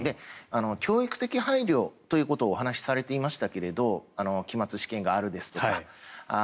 教育的配慮ということをお話しされていましたけれど期末試験があるですとか。